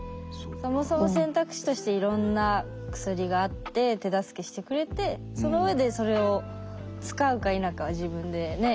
そもそも選択肢としていろんな薬があって手助けしてくれてそのうえでそれを使うか否かは自分でね